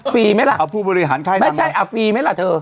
ฟรีไหมล่ะเอาผู้บริหารค่ายนะไม่ใช่อ่ะฟรีไหมล่ะเธอ